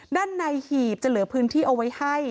ด้านในหีบจะเหลือพื้นที่เอาไว้ให้